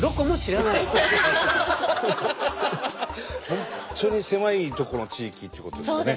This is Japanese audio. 本当に狭いとこの地域ってことですかね。